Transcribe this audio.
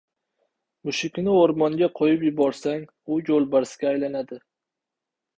• Mushukni o‘rmonga qo‘yib yuborsang, u yo‘lbarsga aylanadi.